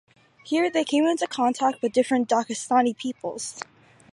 Here they came into contact with different Daghestani peoples.